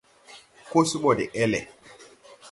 Ko se ɓɔ de ɛlɛ.